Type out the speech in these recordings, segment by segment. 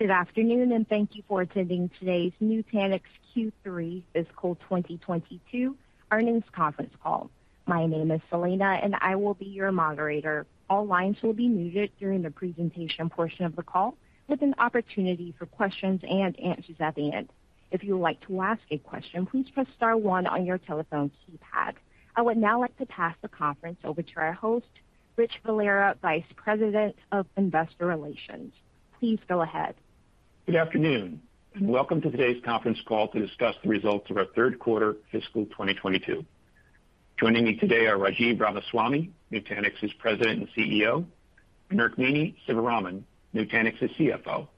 Good afternoon, and thank you for attending today's Nutanix Q3 Fiscal 2022 Earnings Conference Call. My name is Selena, and I will be your moderator. All lines will be muted during the presentation portion of the call, with an opportunity for questions and answers at the end. If you would like to ask a question, please press star one on your telephone keypad. I would now like to pass the conference over to our host, Rich Valera, Vice President of Investor Relations. Please go ahead. Good afternoon, and welcome to today's conference call to discuss the results of our third quarter fiscal 2022. Joining me today are Rajiv Ramaswami, Nutanix's President and CEO, and Rukmini Sivaraman, Nutanix's CFO.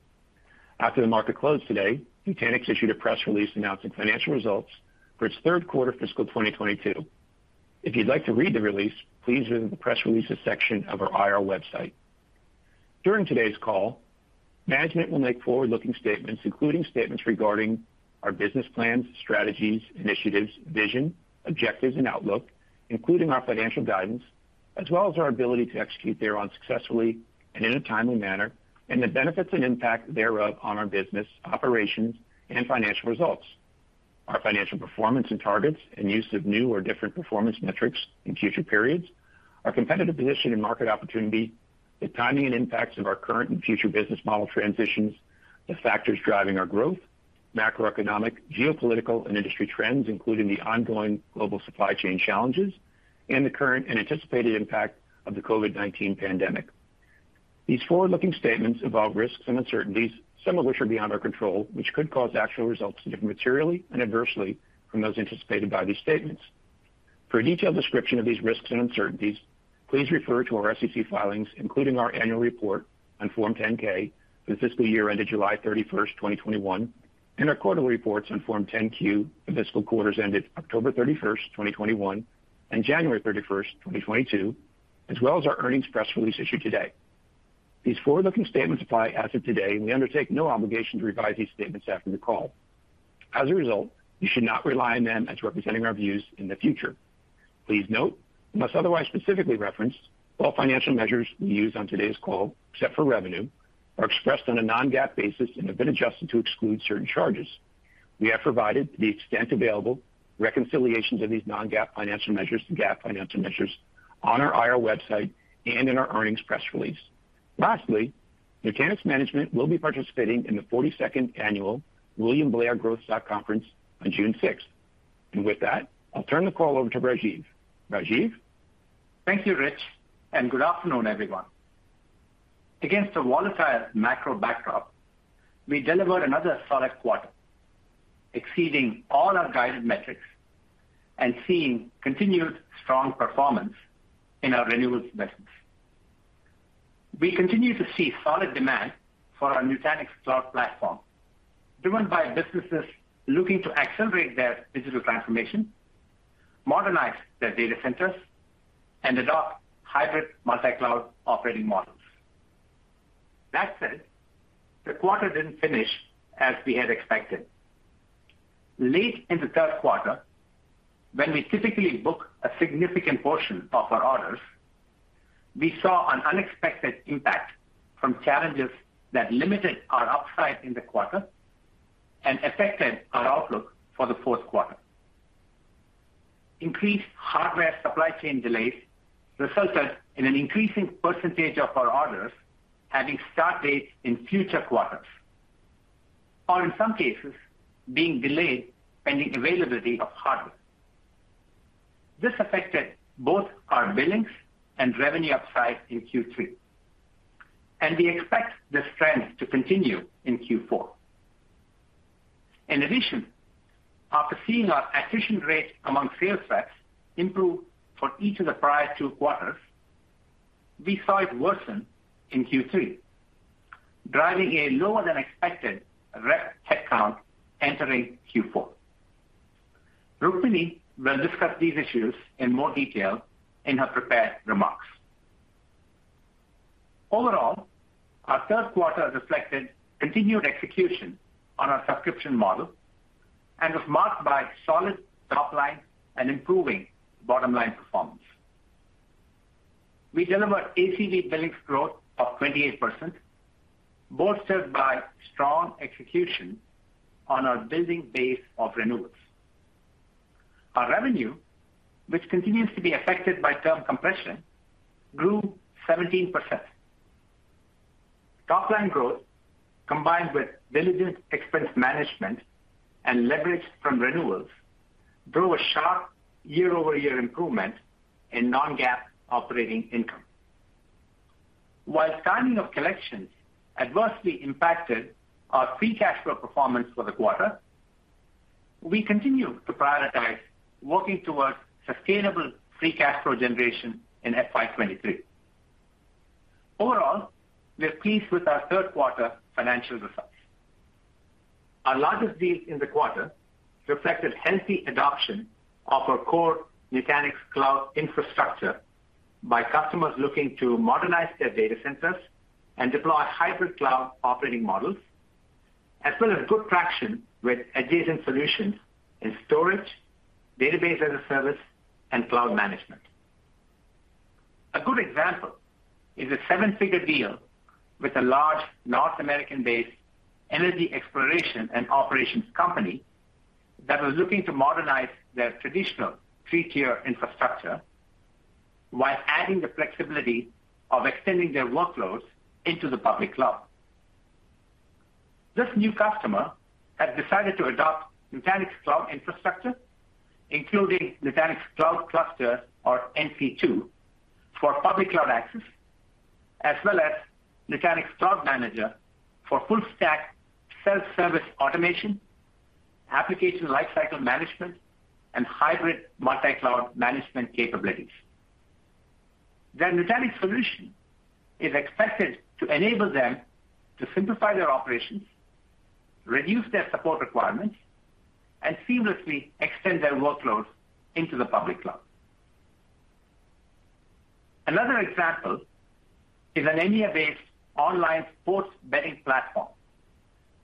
After the market closed today, Nutanix issued a press release announcing financial results for its third quarter fiscal 2022. If you'd like to read the release, please visit the press releases section of our IR website. During today's call, management will make forward-looking statements, including statements regarding our business plans, strategies, initiatives, vision, objectives, and outlook, including our financial guidance, as well as our ability to execute thereon successfully and in a timely manner, and the benefits and impact thereof on our business operations and financial results, our financial performance and targets and use of new or different performance metrics in future periods, our competitive position and market opportunity, the timing and impacts of our current and future business model transitions, the factors driving our growth, macroeconomic, geopolitical, and industry trends, including the ongoing global supply chain challenges, and the current and anticipated impact of the COVID-19 pandemic. These forward-looking statements involve risks and uncertainties, some of which are beyond our control, which could cause actual results to differ materially and adversely from those anticipated by these statements. For a detailed description of these risks and uncertainties, please refer to our SEC filings, including our annual report on Form 10-K for the fiscal year ended July 31, 2021, and our quarterly reports on Form 10-Q for fiscal quarters ended October 31, 2021, and January 31, 2022, as well as our earnings press release issued today. These forward-looking statements apply as of today, and we undertake no obligation to revise these statements after the call. As a result, you should not rely on them as representing our views in the future. Please note, unless otherwise specifically referenced, all financial measures we use on today's call, except for revenue, are expressed on a non-GAAP basis and have been adjusted to exclude certain charges. We have provided the most recent available reconciliations of these non-GAAP financial measures to GAAP financial measures on our IR website and in our earnings press release. Lastly, Nutanix management will be participating in the 42nd annual William Blair Growth Stock Conference on June sixth. With that, I'll turn the call over to Rajiv. Thank you, Rich, and good afternoon, everyone. Against a volatile macro backdrop, we delivered another solid quarter, exceeding all our guided metrics and seeing continued strong performance in our renewals metrics. We continue to see solid demand for our Nutanix Cloud Platform, driven by businesses looking to accelerate their digital transformation, modernize their data centers, and adopt hybrid multi-cloud operating models. That said, the quarter didn't finish as we had expected. Late in the third quarter, when we typically book a significant portion of our orders, we saw an unexpected impact from challenges that limited our upside in the quarter and affected our outlook for the fourth quarter. Increased hardware supply chain delays resulted in an increasing percentage of our orders having start dates in future quarters, or in some cases, being delayed pending availability of hardware. This affected both our billings and revenue upside in Q3, and we expect this trend to continue in Q4. In addition, after seeing our attrition rate among sales reps improve for each of the prior two quarters, we saw it worsen in Q3, driving a lower-than-expected rep headcount entering Q4. Rukmini will discuss these issues in more detail in her prepared remarks. Overall, our third quarter reflected continued execution on our subscription model and was marked by solid top line and improving bottom-line performance. We delivered ACV billings growth of 28%, bolstered by strong execution on our building base of renewals. Our revenue, which continues to be affected by term compression, grew 17%. Top-line growth, combined with diligent expense management and leverage from renewals, drove a sharp year-over-year improvement in non-GAAP operating income. While timing of collections adversely impacted our free cash flow performance for the quarter, we continue to prioritize working towards sustainable free cash flow generation in FY 2023. Overall, we're pleased with our third quarter financial results. Our largest deals in the quarter reflected healthy adoption of our core Nutanix Cloud Infrastructure by customers looking to modernize their data centers and deploy hybrid cloud operating models, as well as good traction with adjacent solutions in storage, database as a service, and cloud management. A good example is a seven-figure deal with a large North American-based energy exploration and operations company that was looking to modernize their traditional three-tier infrastructure while adding the flexibility of extending their workloads into the public cloud. This new customer has decided to adopt Nutanix Cloud Infrastructure, including Nutanix Cloud Clusters or NC2, for public cloud access, as well as Nutanix Cloud Manager for full stack self-service automation, application lifecycle management, and hybrid multi-cloud management capabilities. Their Nutanix solution is expected to enable them to simplify their operations, reduce their support requirements, and seamlessly extend their workloads into the public cloud. Another example is an EMEA-based online sports betting platform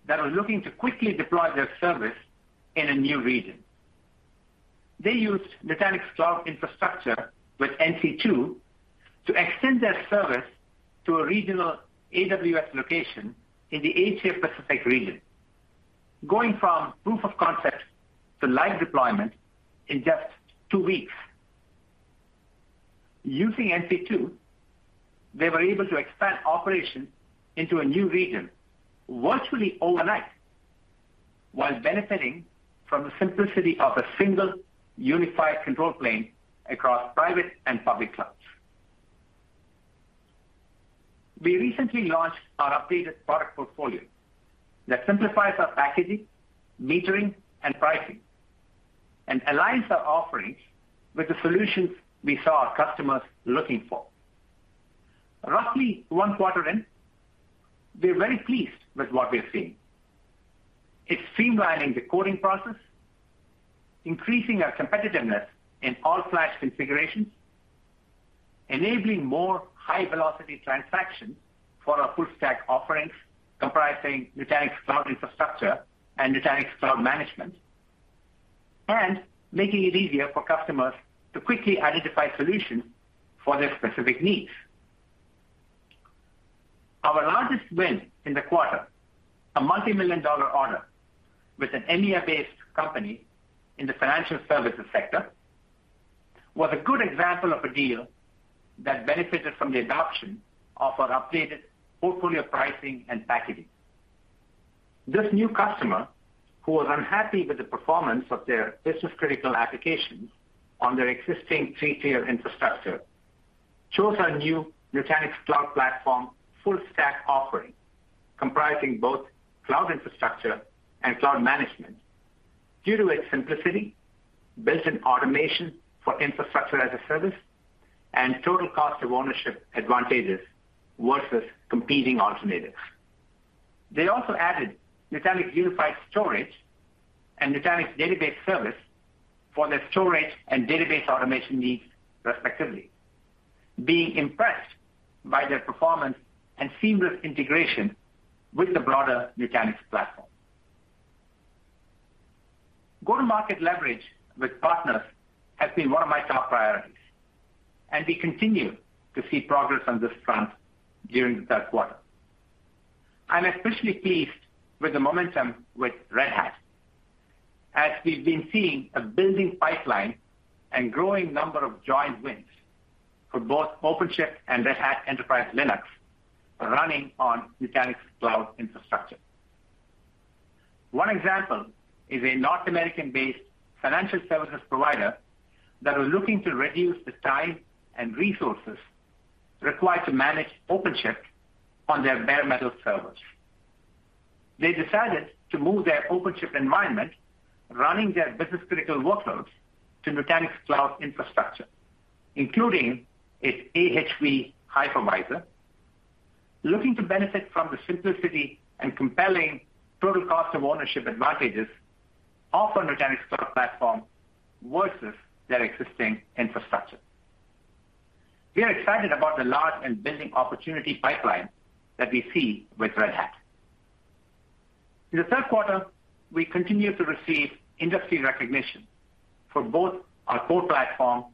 that was looking to quickly deploy their service in a new region. They used Nutanix Cloud Infrastructure with NC2 to extend their service to a regional AWS location in the Asia Pacific region, going from proof of concept to live deployment in just two weeks. Using NC2, they were able to expand operations into a new region virtually overnight while benefiting from the simplicity of a single unified control plane across private and public clouds. We recently launched our updated product portfolio that simplifies our packaging, metering, and pricing, and aligns our offerings with the solutions we saw our customers looking for. Roughly one quarter in, we're very pleased with what we are seeing. It's streamlining the quoting process, increasing our competitiveness in all-flash configurations, enabling more high-velocity transactions for our full stack offerings comprising Nutanix Cloud Infrastructure and Nutanix Cloud Manager, and making it easier for customers to quickly identify solutions for their specific needs. Our largest win in the quarter, a multi-million-dollar order with an EMEA-based company in the financial services sector, was a good example of a deal that benefited from the adoption of our updated portfolio pricing and packaging. This new customer, who was unhappy with the performance of their business-critical applications on their existing three-tier infrastructure, chose our new Nutanix Cloud Platform full stack offering, comprising both Cloud Infrastructure and Cloud Manager due to its simplicity, built-in automation for infrastructure as a service, and total cost of ownership advantages versus competing alternatives. They also added Nutanix Unified Storage and Nutanix Database Service for their storage and database automation needs, respectively, being impressed by their performance and seamless integration with the broader Nutanix platform. Go-to-market leverage with partners has been one of my top priorities, and we continue to see progress on this front during the third quarter. I'm especially pleased with the momentum with Red Hat, as we've been seeing a building pipeline and growing number of joint wins for both OpenShift and Red Hat Enterprise Linux running on Nutanix Cloud Infrastructure. One example is a North American-based financial services provider that was looking to reduce the time and resources required to manage OpenShift on their bare metal servers. They decided to move their OpenShift environment, running their business-critical workloads, to Nutanix Cloud Infrastructure, including its AHV hypervisor, looking to benefit from the simplicity and compelling total cost of ownership advantages offered by Nutanix Cloud Platform versus their existing infrastructure. We are excited about the large and building opportunity pipeline that we see with Red Hat. In the third quarter, we continued to receive industry recognition for both our core platform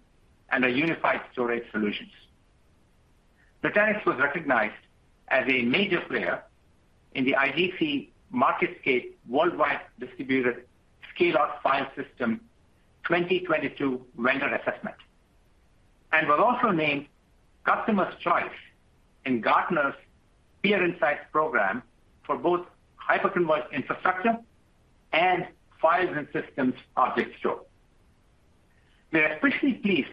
and our unified storage solutions. Nutanix was recognized as a major player in the IDC MarketScape Worldwide Distributed Scale-out File System 2022 Vendor Assessment, and was also named Customers' Choice in Gartner's Peer Insights program for both hyperconverged infrastructure and file systems and object store. We are especially pleased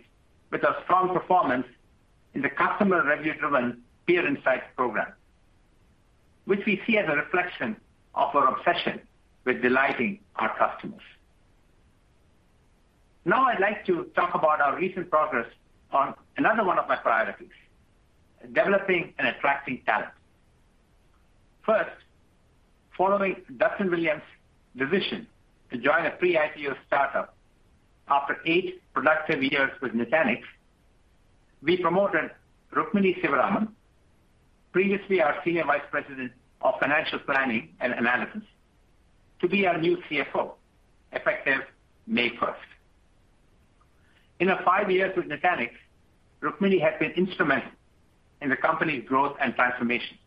with our strong performance in the customer review-driven Peer Insights program, which we see as a reflection of our obsession with delighting our customers. Now I'd like to talk about our recent progress on another one of my priorities, developing and attracting talent. First, following Duston Williams' decision to join a pre-IPO startup after eight productive years with Nutanix, we promoted Rukmini Sivaraman, previously our Senior Vice President of Financial Planning and Analysis, to be our new CFO, effective May first. In her five years with Nutanix, Rukmini has been instrumental in the company's growth and transformation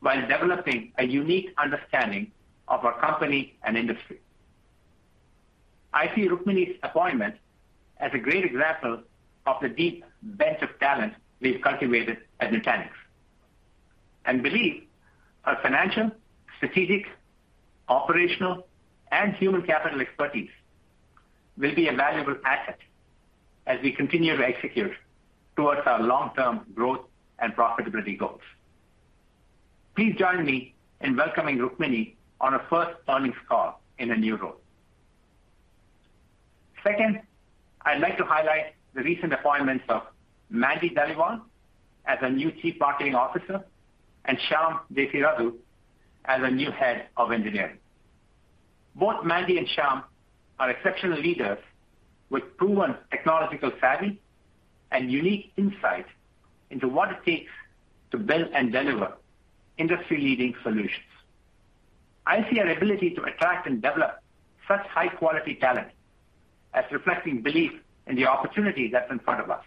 while developing a unique understanding of our company and industry. I see Rukmini's appointment as a great example of the deep bench of talent we've cultivated at Nutanix, and believe her financial, strategic, operational, and human capital expertise will be a valuable asset as we continue to execute towards our long-term growth and profitability goals. Please join me in welcoming Rukmini on her first earnings call in her new role. Second, I'd like to highlight the recent appointments of Mandy Dhaliwal as our new Chief Marketing Officer, and Shyam Desirazu as our new Head of Engineering. Both Mandy and Shyam are exceptional leaders with proven technological savvy and unique insight into what it takes to build and deliver industry-leading solutions. I see our ability to attract and develop such high-quality talent as reflecting belief in the opportunity that's in front of us,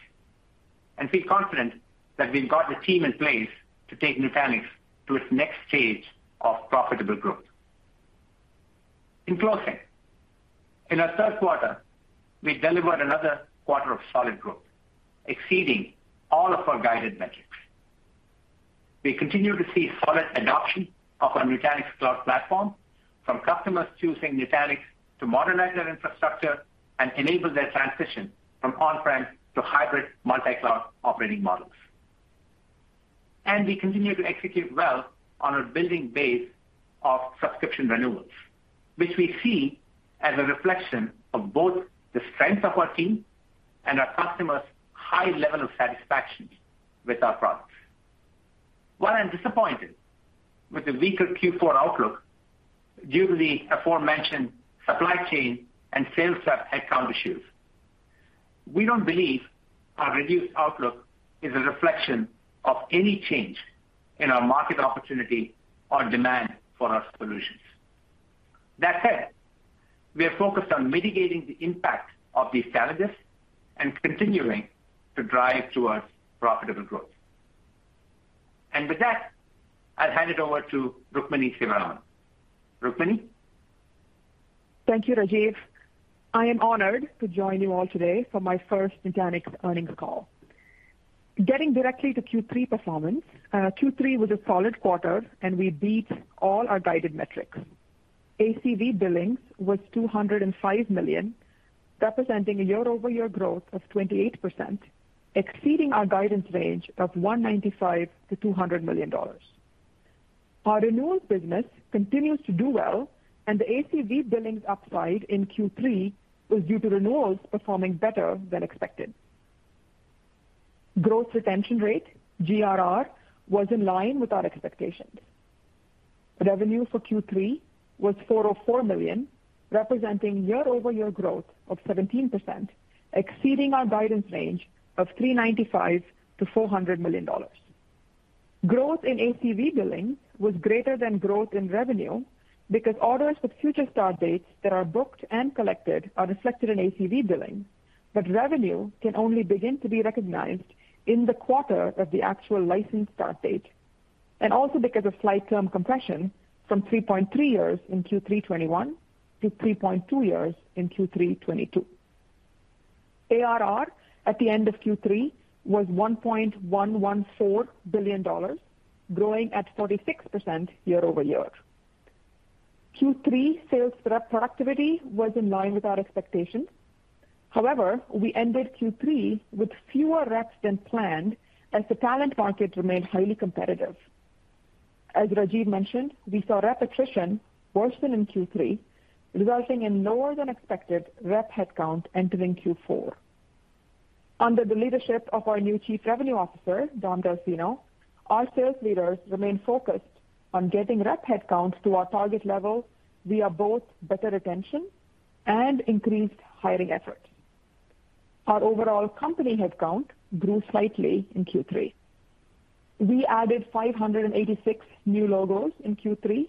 and feel confident that we've got the team in place to take Nutanix to its next stage of profitable growth. In closing, in our third quarter, we delivered another quarter of solid growth, exceeding all of our guided metrics. We continue to see solid adoption of our Nutanix Cloud Platform from customers choosing Nutanix to modernize their infrastructure and enable their transition from on-prem to hybrid multi-cloud operating models. We continue to execute well on our building base of subscription renewals, which we see as a reflection of both the strength of our team and our customers' high level of satisfaction with our products. While I'm disappointed with the weaker Q4 outlook due to the aforementioned supply chain and sales rep headcount issues, we don't believe our reduced outlook is a reflection of any change in our market opportunity or demand for our solutions. That said, we are focused on mitigating the impact of these challenges and continuing to drive towards profitable growth. With that, I'll hand it over to Rukmini Sivaraman. Rukmini? Thank you, Rajiv. I am honored to join you all today for my first Nutanix earnings call. Getting directly to Q3 performance, Q3 was a solid quarter, and we beat all our guided metrics. ACV billings was $205 million, representing a year-over-year growth of 28%, exceeding our guidance range of $195-$200 million. Our renewals business continues to do well, and the ACV billings upside in Q3 was due to renewals performing better than expected. Growth retention rate, GRR, was in line with our expectations. Revenue for Q3 was $404 million, representing year-over-year growth of 17%, exceeding our guidance range of $395-$400 million. Growth in ACV billings was greater than growth in revenue because orders with future start dates that are booked and collected are reflected in ACV billing, but revenue can only begin to be recognized in the quarter of the actual license start date, and also because of slight term compression from 3.3 years in Q3 2021 to 3.2 years in Q3 2022. ARR at the end of Q3 was $1.114 billion, growing at 46% year-over-year. Q3 sales rep productivity was in line with our expectations. However, we ended Q3 with fewer reps than planned as the talent market remained highly competitive. As Rajiv mentioned, we saw rep attrition worsen in Q3, resulting in lower than expected rep headcount entering Q4. Under the leadership of our new Chief Revenue Officer, Dominick Delfino, our sales leaders remain focused on getting rep headcount to our target level via both better retention and increased hiring efforts. Our overall company headcount grew slightly in Q3. We added 586 new logos in Q3,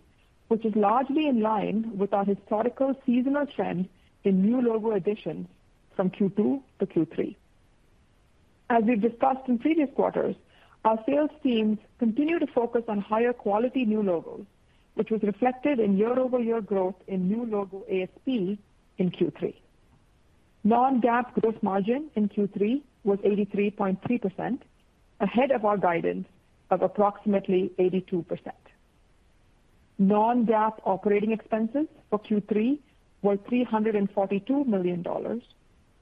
which is largely in line with our historical seasonal trends in new logo additions from Q2 to Q3. As we've discussed in previous quarters, our sales teams continue to focus on higher quality new logos, which was reflected in year-over-year growth in new logo ASP in Q3. Non-GAAP gross margin in Q3 was 83.3%, ahead of our guidance of approximately 82%. Non-GAAP operating expenses for Q3 were $342 million,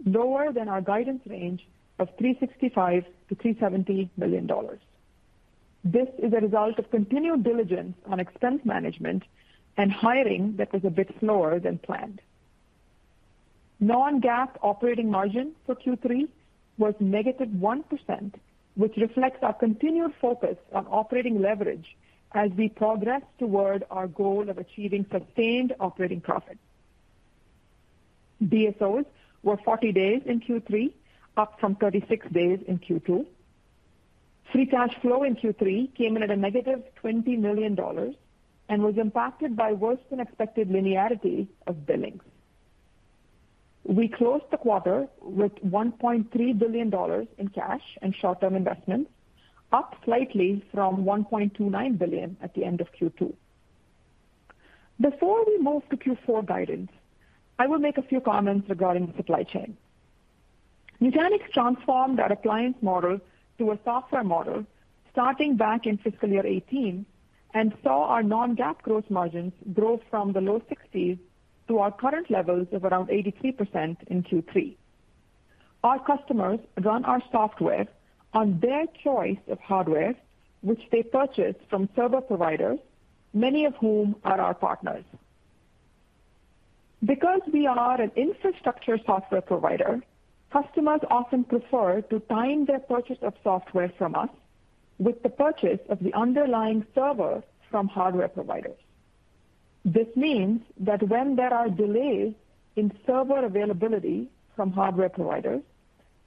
lower than our guidance range of $365 million-$370 million. This is a result of continued diligence on expense management and hiring that was a bit slower than planned. Non-GAAP operating margin for Q3 was negative 1%, which reflects our continued focus on operating leverage as we progress toward our goal of achieving sustained operating profit. DSOs were 40 days in Q3, up from 36 days in Q2. Free cash flow in Q3 came in at a negative $20 million and was impacted by worse than expected linearity of billings. We closed the quarter with $1.3 billion in cash and short-term investments, up slightly from $1.29 billion at the end of Q2. Before we move to Q4 guidance, I will make a few comments regarding supply chain. Nutanix transformed our appliance model to a software model starting back in fiscal year 2018 and saw our non-GAAP gross margins grow from the low 60s% to our current levels of around 83% in Q3. Our customers run our software on their choice of hardware, which they purchase from server providers, many of whom are our partners. Because we are an infrastructure software provider, customers often prefer to time their purchase of software from us with the purchase of the underlying server from hardware providers. This means that when there are delays in server availability from hardware providers,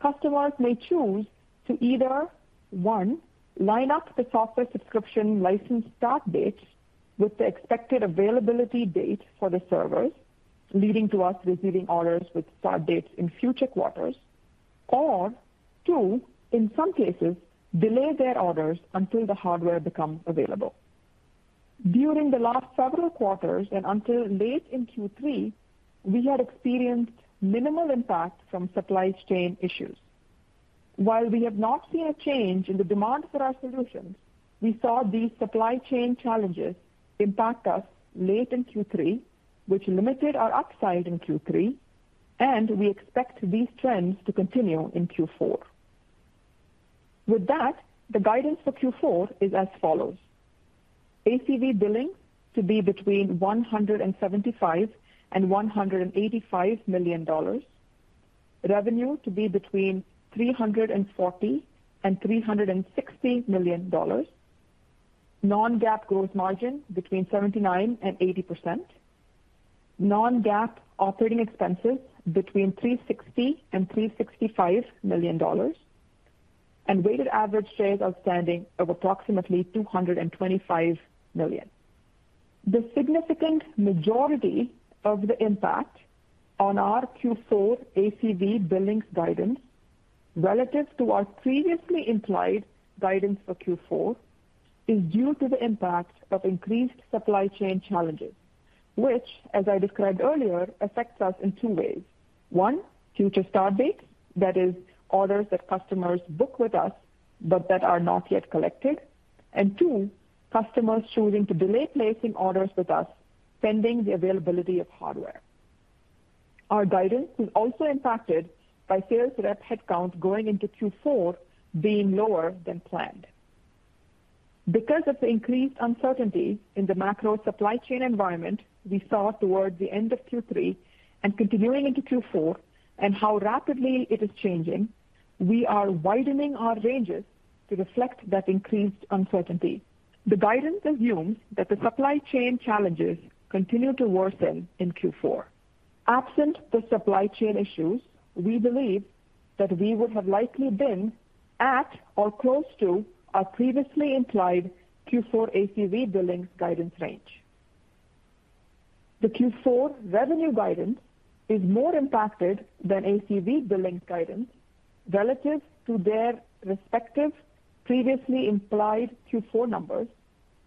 customers may choose to either, 1, line up the software subscription license start dates with the expected availability date for the servers, leading to us receiving orders with start dates in future quarters. 2, in some cases, delay their orders until the hardware becomes available. During the last several quarters and until late in Q3, we had experienced minimal impact from supply chain issues. While we have not seen a change in the demand for our solutions, we saw these supply chain challenges impact us late in Q3, which limited our upside in Q3, and we expect these trends to continue in Q4. With that, the guidance for Q4 is as follows: ACV billings to be between $175 million and $185 million. Revenue to be between $340 million and $360 million. Non-GAAP gross margin between 79% and 80%. Non-GAAP operating expenses between $360 million and $365 million. Weighted average shares outstanding of approximately 225 million. The significant majority of the impact on our Q4 ACV billings guidance relative to our previously implied guidance for Q4 is due to the impact of increased supply chain challenges, which as I described earlier, affects us in two ways. One, future start dates, that is orders that customers book with us but that are not yet collected. Two, customers choosing to delay placing orders with us pending the availability of hardware. Our guidance is also impacted by sales rep headcount going into Q4 being lower than planned. Because of the increased uncertainty in the macro supply chain environment we saw towards the end of Q3 and continuing into Q4 and how rapidly it is changing, we are widening our ranges to reflect that increased uncertainty. The guidance assumes that the supply chain challenges continue to worsen in Q4. Absent the supply chain issues, we believe that we would have likely been at or close to our previously implied Q4 ACV billings guidance range. The Q4 revenue guidance is more impacted than ACV billings guidance relative to their respective previously implied Q4 numbers,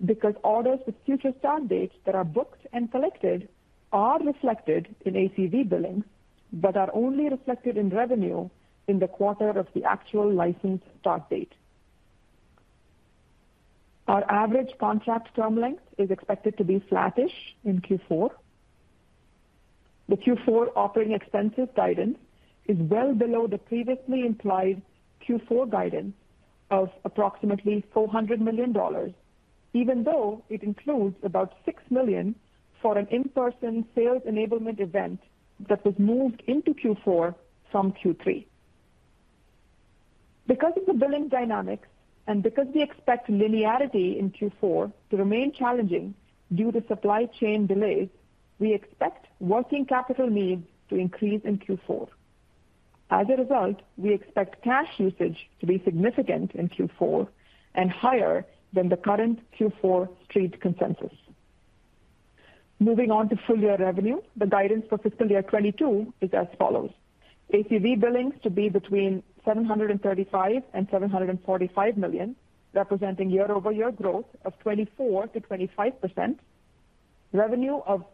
because orders with future start dates that are booked and collected are reflected in ACV billings, but are only reflected in revenue in the quarter of the actual license start date. Our average contract term length is expected to be flattish in Q4. The Q4 operating expenses guidance is well below the previously implied Q4 guidance of approximately $400 million, even though it includes about $6 million for an in-person sales enablement event that was moved into Q4 from Q3. Because of the billing dynamics and because we expect linearity in Q4 to remain challenging due to supply chain delays, we expect working capital needs to increase in Q4. As a result, we expect cash usage to be significant in Q4 and higher than the current Q4 street consensus. Moving on to full-year revenue. The guidance for fiscal year 2022 is as follows: ACV billings to be between $735-$745 million, representing year-over-year growth of 24%-25%. Revenue of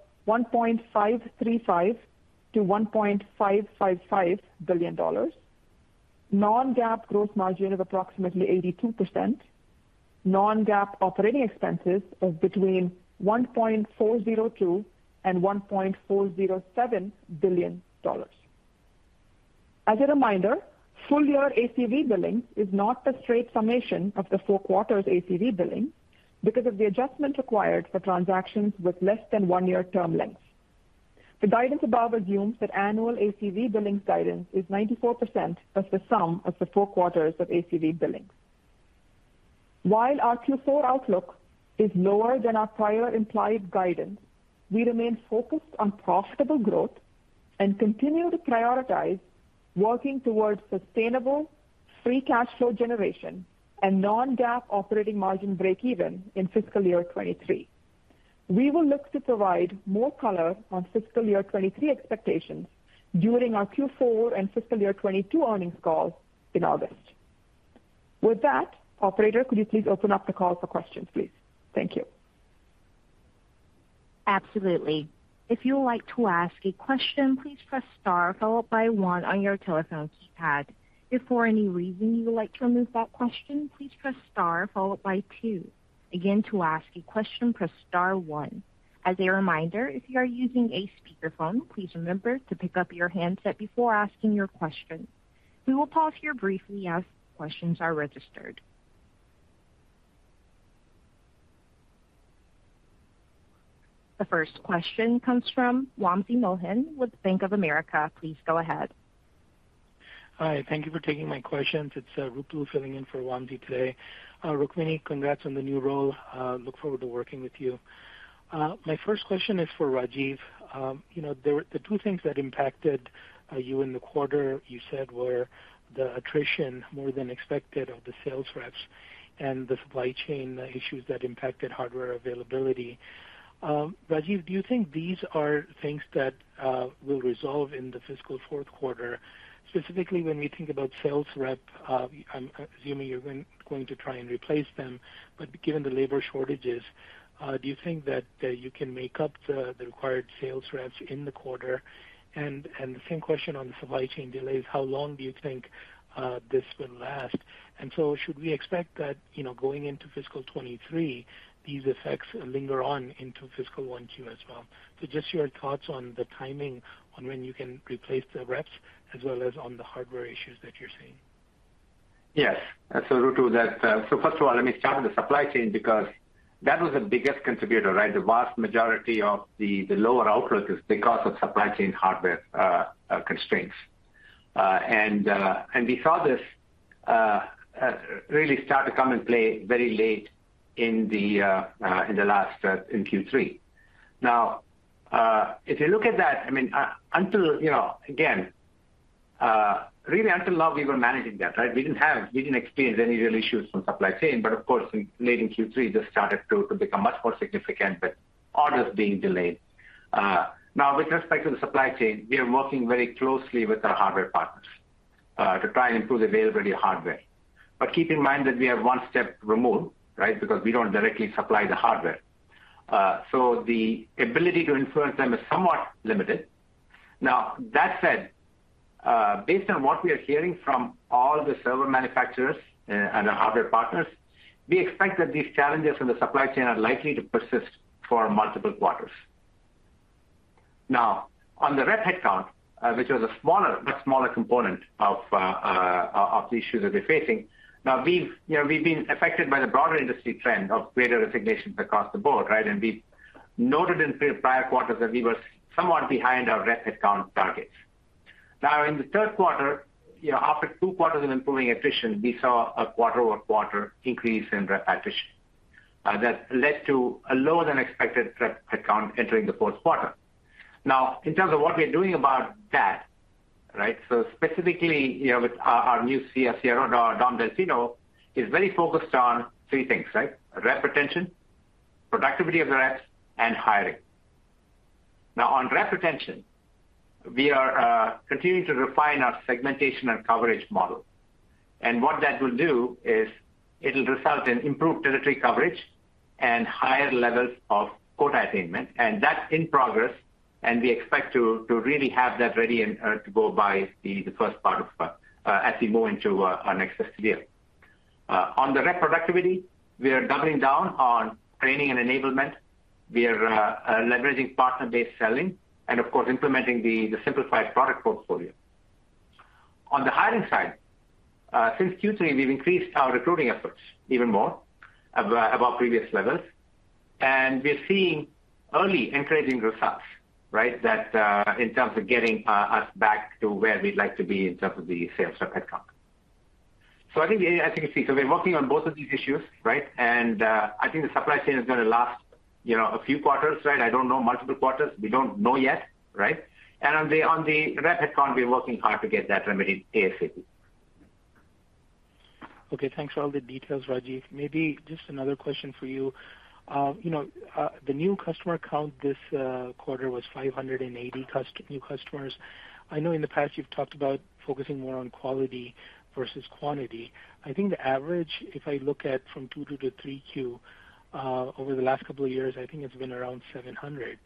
$1.535-$1.555 billion. Non-GAAP gross margin of approximately 82%. Non-GAAP operating expenses of between $1.402-$1.407 billion. As a reminder, full year ACV billing is not the straight summation of the four quarters ACV billing because of the adjustment required for transactions with less than one-year term lengths. The guidance above assumes that annual ACV billings guidance is 94% of the sum of the four quarters of ACV billings. While our Q4 outlook is lower than our prior implied guidance, we remain focused on profitable growth and continue to prioritize working towards sustainable free cash flow generation and non-GAAP operating margin breakeven in fiscal year 2023. We will look to provide more color on fiscal year 2022 expectations during our Q4 and fiscal year 2022 earnings call in August. With that, operator, could you please open up the call for questions, please? Thank you. Absolutely. If you would like to ask a question, please press star followed by one on your telephone keypad. If for any reason you would like to remove that question, please press star followed by two. Again, to ask a question, press star one. As a reminder, if you are using a speakerphone, please remember to pick up your handset before asking your question. We will pause here briefly as questions are registered. The first question comes from Wamsi Mohan with Bank of America. Please go ahead. Hi. Thank you for taking my questions. It's Ruplu filling in for Wamsi today. Rukmini, congrats on the new role. Look forward to working with you. My first question is for Rajiv. You know, the two things that impacted you in the quarter, you said, were the attrition more than expected of the sales reps and the supply chain issues that impacted hardware availability. Rajiv, do you think these are things that will resolve in the fiscal fourth quarter, specifically when we think about sales rep, I'm assuming you're going to try and replace them, but given the labor shortages, do you think that you can make up the required sales reps in the quarter? The same question on supply chain delays, how long do you think this will last? Should we expect that, you know, going into fiscal 2023, these effects linger on into fiscal 1Q as well? Just your thoughts on the timing on when you can replace the reps as well as on the hardware issues that you're seeing. Yes. Ruplu, first of all, let me start with the supply chain, because that was the biggest contributor, right? The vast majority of the lower outlook is because of supply chain hardware constraints. We saw this really start to come into play very late in Q3. Now, if you look at that, I mean, really until now, we were managing that, right? We didn't experience any real issues from supply chain. Of course, in late Q3, this started to become much more significant with orders being delayed. Now with respect to the supply chain, we are working very closely with our hardware partners to try and improve availability of hardware. Keep in mind that we are one step removed, right? Because we don't directly supply the hardware. So the ability to influence them is somewhat limited. Now, that said, based on what we are hearing from all the server manufacturers and our hardware partners, we expect that these challenges in the supply chain are likely to persist for multiple quarters. Now, on the rep headcount, which was a smaller, much smaller component of the issues that we're facing. Now, we've, you know, been affected by the broader industry trend of greater resignations across the board, right? We noted in prior quarters that we were somewhat behind our rep headcount targets. Now, in the third quarter, you know, after two quarters of improving attrition, we saw a quarter-over-quarter increase in rep attrition that led to a lower than expected rep headcount entering the fourth quarter. Now, in terms of what we're doing about that, right? Specifically, you know, with our new CRO, Don Delfino, is very focused on three things, right? Rep retention, productivity of the reps, and hiring. Now, on rep retention, we are continuing to refine our segmentation and coverage model. What that will do is it'll result in improved territory coverage and higher levels of quota attainment, and that's in progress, and we expect to really have that ready and to go by the first part of, as we move into, our next fiscal year. On the rep productivity, we are doubling down on training and enablement. We are leveraging partner-based selling and of course, implementing the simplified product portfolio. On the hiring side, since Q3, we've increased our recruiting efforts even more above previous levels, and we're seeing early encouraging results, right? That in terms of getting us back to where we'd like to be in terms of the sales rep headcount. I think, as you can see, we're working on both of these issues, right? I think the supply chain is gonna last, you know, a few quarters, right? I don't know, multiple quarters. We don't know yet, right? On the rep headcount, we're working hard to get that remedied ASAP. Okay, thanks for all the details, Rajiv. Maybe just another question for you. You know, the new customer count this quarter was 580 new customers. I know in the past you've talked about focusing more on quality versus quantity. I think the average, if I look at from Q2 to Q3 over the last couple of years, I think it's been around 700.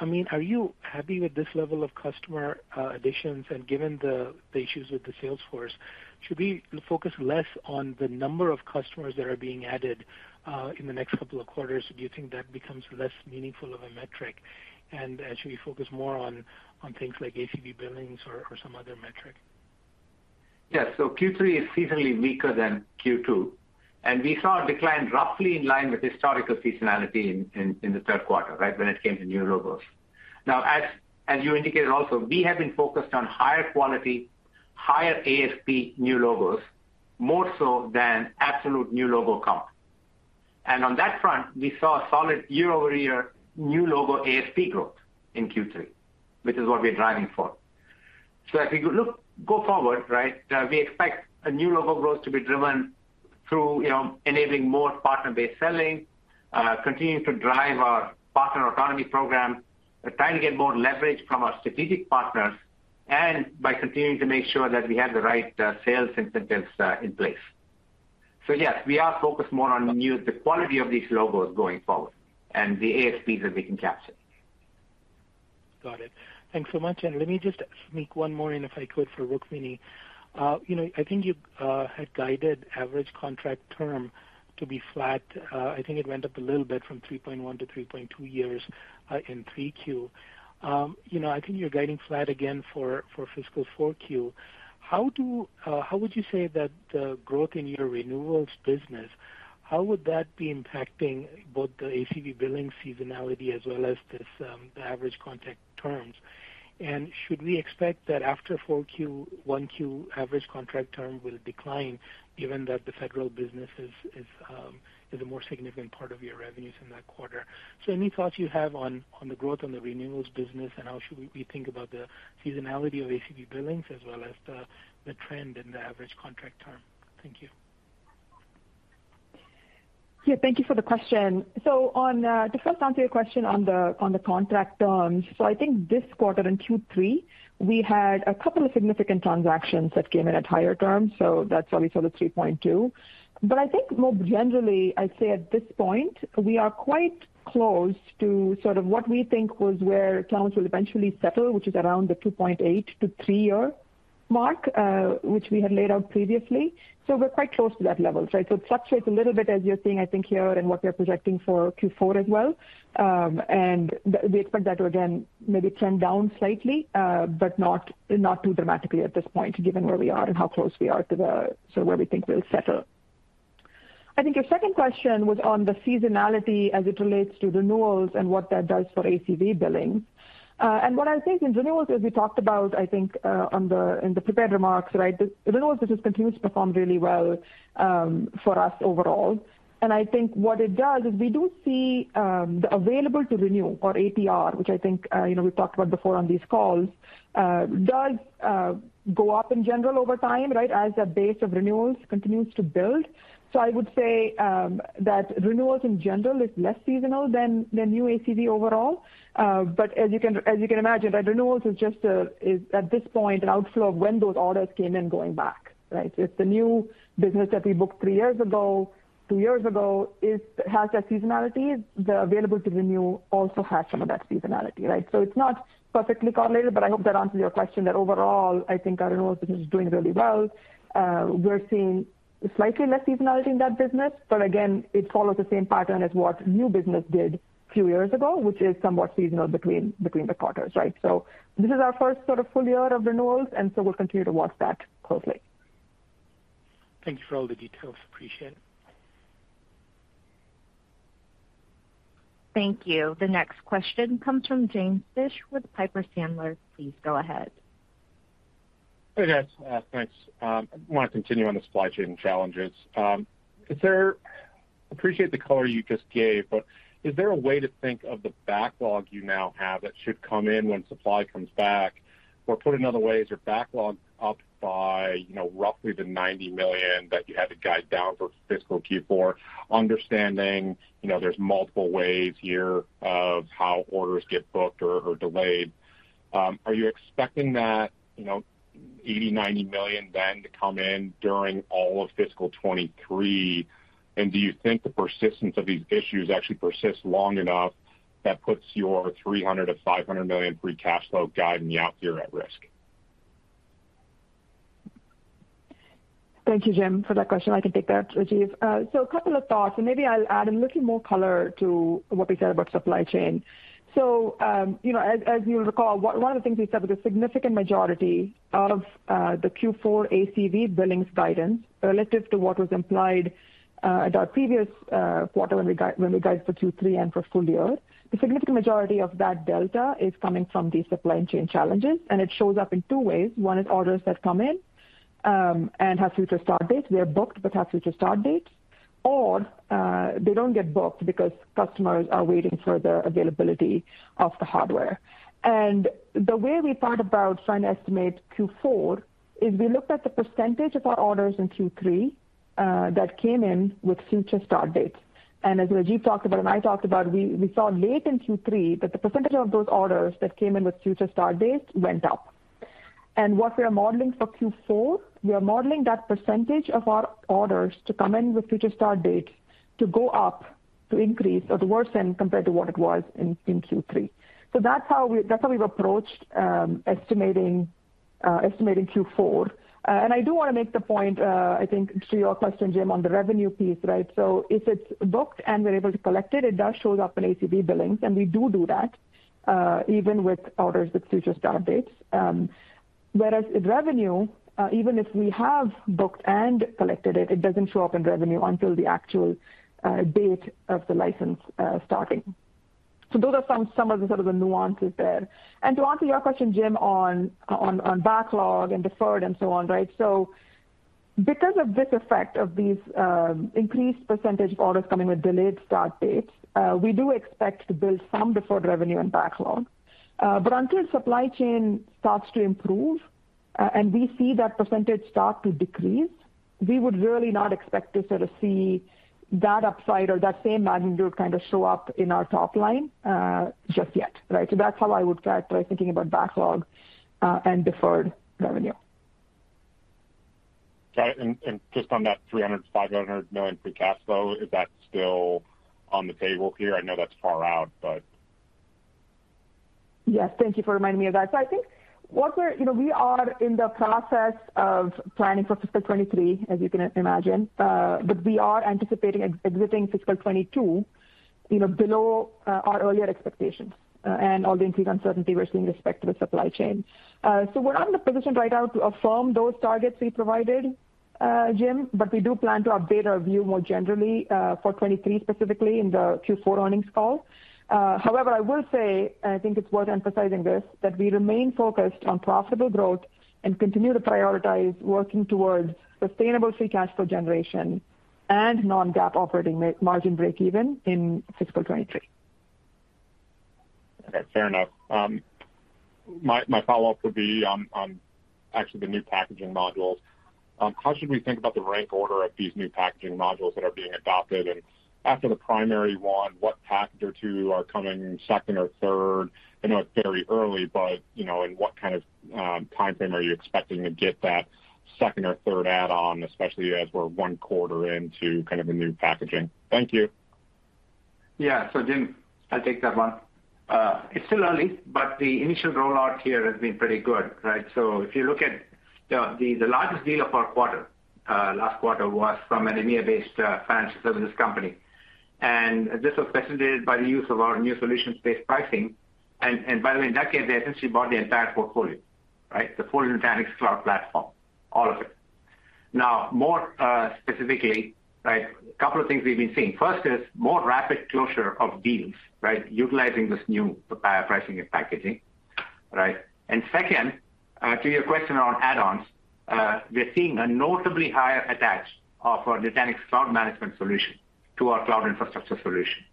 I mean, are you happy with this level of customer additions? Given the issues with the sales force, should we focus less on the number of customers that are being added in the next couple of quarters? Do you think that becomes less meaningful of a metric? Should we focus more on things like ACV billings or some other metric? Yes. Q3 is seasonally weaker than Q2, and we saw a decline roughly in line with historical seasonality in the third quarter, right? When it came to new logos. Now as you indicated also, we have been focused on higher quality, higher ASP new logos, more so than absolute new logo count. And on that front, we saw a solid year-over-year new logo ASP growth in Q3, which is what we're driving for. As we look forward, right, we expect a new logo growth to be driven through, you know, enabling more partner-based selling, continuing to drive our partner economy program. We're trying to get more leverage from our strategic partners and by continuing to make sure that we have the right, sales incentives, in place. Yes, we are focused more on the quality of these logos going forward and the ASPs that we can capture. Got it. Thanks so much. Let me just sneak one more in, if I could, for Rukmini. You know, I think you had guided average contract term to be flat. I think it went up a little bit from 3.1 to 3.2 years in 3Q. You know, I think you're guiding flat again for fiscal 4Q. How would you say that growth in your renewals business would be impacting both the ACV billing seasonality as well as the average contract terms? Should we expect that after 4Q, 1Q average contract term will decline given that the federal business is a more significant part of your revenues in that quarter? Any thoughts you have on the growth on the renewals business, and how should we think about the seasonality of ACV billings as well as the trend in the average contract term? Thank you. Yeah. Thank you for the question. To first answer your question on the contract terms. I think this quarter in Q3, we had a couple of significant transactions that came in at higher terms, so that's why we saw the 3.2. I think more generally, I'd say at this point, we are quite close to sort of what we think was where accounts will eventually settle, which is around the 2.8 to 3-year mark, which we had laid out previously. We're quite close to that level, right? It fluctuates a little bit as you're seeing, I think, here and what we are projecting for Q4 as well. We expect that to again maybe trend down slightly, but not too dramatically at this point, given where we are and how close we are, so where we think we'll settle. I think your second question was on the seasonality as it relates to renewals and what that does for ACV billing. What I would say is in renewals, as we talked about, I think, in the prepared remarks, right? The renewals business continues to perform really well for us overall. I think what it does is we do see the available to renew or ATR, which I think, you know, we've talked about before on these calls, does go up in general over time, right, as the base of renewals continues to build. I would say that renewals in general is less seasonal than new ACV overall. But as you can imagine, right, renewals is just at this point an outflow of when those orders came in going back, right? If the new business that we booked three years ago, two years ago, it has that seasonality. The available to renew also has some of that seasonality, right? It's not perfectly correlated, but I hope that answers your question that overall, I think our renewals business is doing really well. We're seeing slightly less seasonality in that business. But again, it follows the same pattern as what new business did few years ago, which is somewhat seasonal between the quarters, right? This is our first sort of full year of renewals, and so we'll continue to watch that closely. Thank you for all the details. Appreciate it. Thank you. The next question comes from James Fish with Piper Sandler. Please go ahead. Hey, guys. Thanks. I wanna continue on the supply chain challenges. Appreciate the color you just gave, but is there a way to think of the backlog you now have that should come in when supply comes back? Or put another way, is your backlog up by, you know, roughly the $90 million that you had to guide down for fiscal Q4? Understanding, you know, there's multiple ways here of how orders get booked or delayed. Are you expecting that, you know, $80-$90 million then to come in during all of fiscal 2023? Do you think the persistence of these issues actually persists long enough that puts your $300-$500 million free cash flow guide in the out year at risk? Thank you, James, for that question. I can take that, Rajiv. A couple of thoughts, and maybe I'll add a little more color to what we said about supply chain. As you recall, one of the things we said was a significant majority out of the Q4 ACV billings guidance relative to what was implied at our previous quarter when we guided for Q3 and for full year. The significant majority of that delta is coming from the supply chain challenges, and it shows up in two ways. One is orders that come in and have future start dates. They are booked but have future start dates. Or, they don't get booked because customers are waiting for the availability of the hardware. The way we thought about trying to estimate Q4 is we looked at the percentage of our orders in Q3 that came in with future start dates. As Rajiv talked about and I talked about, we saw late in Q3 that the percentage of those orders that came in with future start dates went up. What we are modeling for Q4 is that percentage of our orders to come in with future start dates to go up, to increase or to worsen compared to what it was in Q3. That's how we've approached estimating Q4. I do wanna make the point, I think to your question, James, on the revenue piece, right? If it's booked and we're able to collect it does show up in ACV billings, and we do that even with orders with future start dates. Whereas with revenue, even if we have booked and collected it doesn't show up in revenue until the actual date of the license starting. Those are some of the sort of the nuances there. To answer your question, James, on backlog and deferred and so on, right? Because of this effect of these increased percentage of orders coming with delayed start dates, we do expect to build some deferred revenue and backlog. Until supply chain starts to improve, and we see that percentage start to decrease, we would really not expect to sort of see that upside or that same magnitude kind of show up in our top line, just yet, right? That's how I would characterize thinking about backlog, and deferred revenue. Got it. Just on that $300 million-$500 million free cash flow, is that still on the table here? I know that's far out, but. Yes. Thank you for reminding me of that. I think we are in the process of planning for fiscal 2023, as you can imagine. We are anticipating exiting fiscal 2022, you know, below our earlier expectations, and all the increased uncertainty we're seeing with respect to the supply chain. We're not in a position right now to affirm those targets we provided, James, but we do plan to update our view more generally for 2023, specifically in the Q4 earnings call. However, I will say, and I think it's worth emphasizing this, that we remain focused on profitable growth and continue to prioritize working towards sustainable free cash flow generation and non-GAAP operating margin breakeven in fiscal 2023. Okay. Fair enough. My follow-up would be on actually the new packaging modules. How should we think about the rank order of these new packaging modules that are being adopted? After the primary one, what package or two are coming second or third? I know it's very early, but you know, in what kind of timeframe are you expecting to get that second or third add-on, especially as we're one quarter into kind of a new packaging? Thank you. Yeah. James, I'll take that one. It's still early, but the initial rollout here has been pretty good, right? If you look at the largest deal of our quarter, last quarter was from an EMEA-based financial services company. This was facilitated by the use of our new solutions-based pricing. By the way, in that case, they essentially bought the entire portfolio, right? The full Nutanix Cloud Platform, all of it. Now, more specifically, right, a couple of things we've been seeing. First is more rapid closure of deals, right? Utilizing this new pricing and packaging, right? Second, to your question on add-ons, we are seeing a notably higher attach of our Nutanix Cloud Manager to our Nutanix Cloud Infrastructure.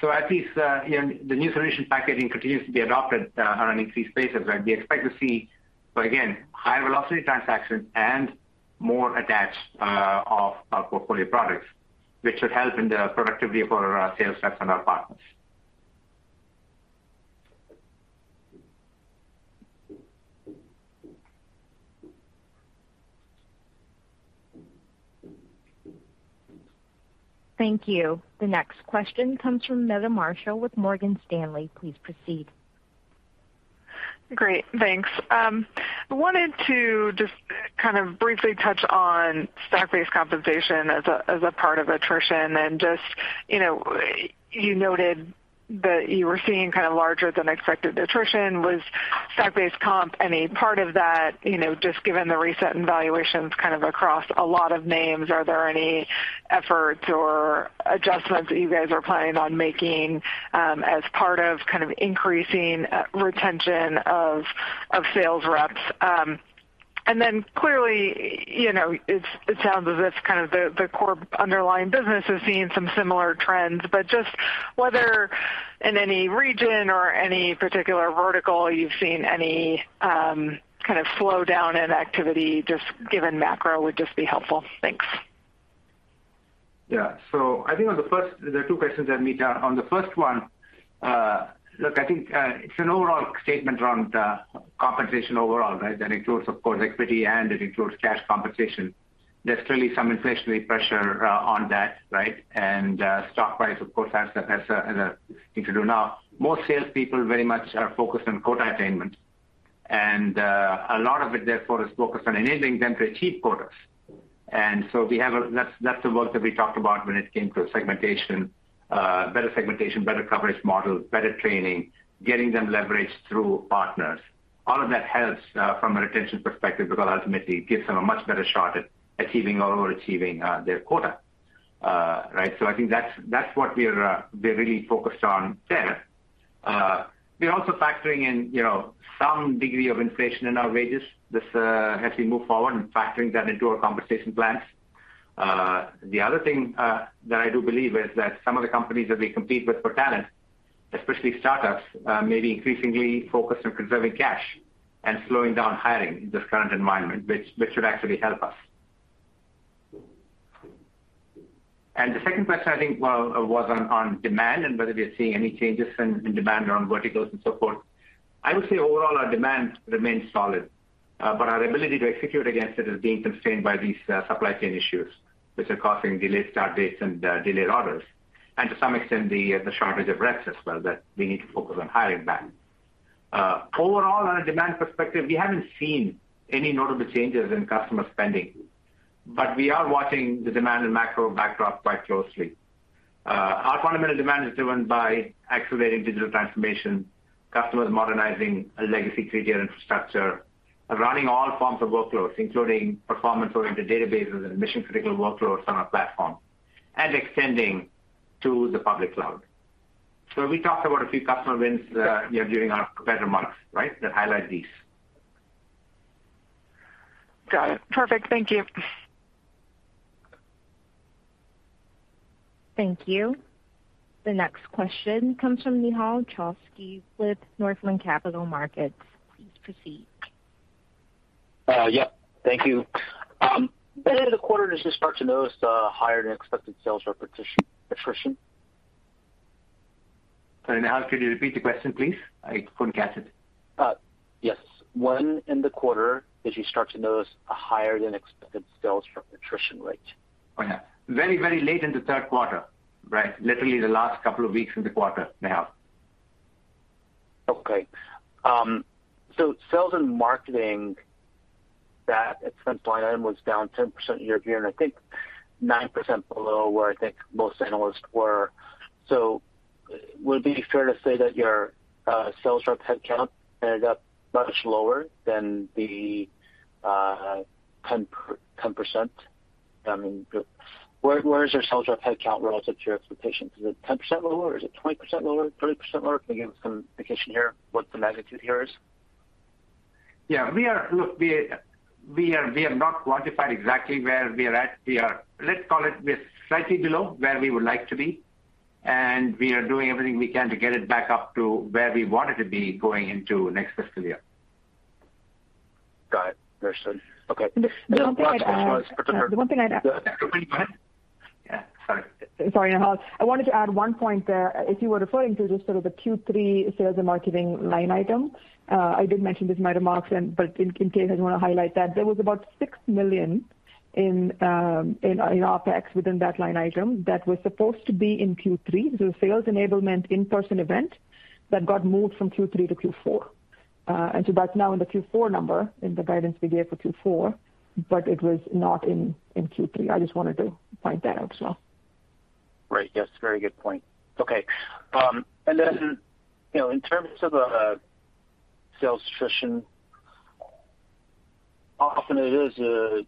As these, you know, the new solution packaging continues to be adopted on an increased basis, right, we expect to see, again, higher velocity transactions and more attach of our portfolio products, which should help in the productivity of our sales reps and our partners. Thank you. The next question comes from Meta Marshall with Morgan Stanley. Please proceed. Great, thanks. I wanted to just kind of briefly touch on stock-based compensation as a part of attrition. Just, you know, you noted that you were seeing kind of larger than expected attrition. Was stock-based comp any part of that? You know, just given the recent valuations kind of across a lot of names, are there any efforts or adjustments that you guys are planning on making, as part of kind of increasing retention of sales reps? Clearly, you know, it sounds as if kind of the core underlying business is seeing some similar trends, but just whether in any region or any particular vertical you've seen any kind of slowdown in activity just given macro would just be helpful. Thanks. Yeah. I think on the first. There are two questions there, Meta. On the first one, look, I think, it's an overall statement around compensation overall, right? That includes, of course, equity, and it includes cash compensation. There's clearly some inflationary pressure on that, right? Stock price, of course, has to pass if you do now. Most salespeople very much are focused on quota attainment. A lot of it therefore is focused on enabling them to achieve quotas. That's the work that we talked about when it came to segmentation. Better segmentation, better coverage model, better training, getting them leverage through partners. All of that helps from a retention perspective, because ultimately it gives them a much better shot at achieving or overachieving their quota. Right? I think that's what we are, we're really focused on there. We're also factoring in, you know, some degree of inflation in our wages. This as we move forward and factoring that into our compensation plans. The other thing that I do believe is that some of the companies that we compete with for talent, especially startups, may be increasingly focused on conserving cash and slowing down hiring in this current environment, which should actually help us. The second question, I think, was on demand and whether we are seeing any changes in demand around verticals and so forth. I would say overall our demand remains solid, but our ability to execute against it is being constrained by these supply chain issues, which are causing delayed start dates and delayed orders, and to some extent, the shortage of reps as well that we need to focus on hiring back. Overall, on a demand perspective, we haven't seen any notable changes in customer spending, but we are watching the demand and macro backdrop quite closely. Our fundamental demand is driven by accelerating digital transformation, customers modernizing a legacy three-tier infrastructure, running all forms of workloads, including performance-oriented databases and mission-critical workloads on our platform, and extending to the public cloud. We talked about a few customer wins, you know, during our prepared remarks, right? That highlight these. Got it. Perfect. Thank you. Thank you. The next question comes from Nehal Chokshi with Northland Capital Markets. Please proceed. Yeah. Thank you. In the quarter, did you start to notice the higher-than-expected sales attrition? Sorry, Nehal, could you repeat the question, please? I couldn't catch it. Yes. When in the quarter did you start to notice a higher-than-expected sales force attrition rate? Oh, yeah. Very, very late in the third quarter, right? Literally, the last couple of weeks in the quarter, Nehal. Okay. Sales and marketing, that expense line item was down 10% year-over-year, and I think 9% below where I think most analysts were. Would it be fair to say that your sales rep headcount ended up much lower? Where is your sales rep headcount relative to your expectations? Is it 10% lower? Is it 20% lower? 30% lower? Can you give us some indication here what the magnitude here is? Look, we are not quantified exactly where we are at. Let's call it, we're slightly below where we would like to be, and we are doing everything we can to get it back up to where we want it to be going into next fiscal year. Got it. Understood. Okay. The one thing I'd add. Go ahead. Yeah. Sorry, Nehal. I wanted to add one point there. If you were referring to just sort of the Q3 sales and marketing line item, I did mention this in my remarks, but in case I just want to highlight that, there was about $6 million in OpEx within that line item that was supposed to be in Q3. It was a sales enablement in-person event that got moved from Q3 to Q4. That's now in the Q4 number, in the guidance we gave for Q4, but it was not in Q3. I just wanted to point that out as well. Right. Yes, very good point. Okay, you know, in terms of sales attrition, often it is